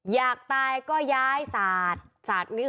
อยากตายก็ย้ายสาด